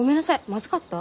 まずかった？